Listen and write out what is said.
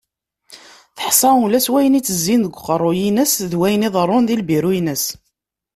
Teḥṣa ula s wayen itezzin deg uqerru-ines d wayen iḍarrun di lbiru-ines.